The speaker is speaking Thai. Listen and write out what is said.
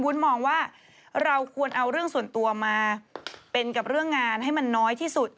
มองว่าเราควรเอาเรื่องส่วนตัวมาเป็นกับเรื่องงานให้มันน้อยที่สุด